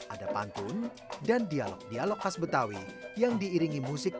ada pantun dan dialog dialog tas petawi yang diiringi musik tersebut